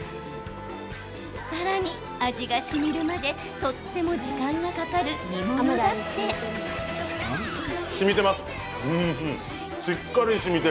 さらに、味がしみるまでとても時間がかかる煮物だって。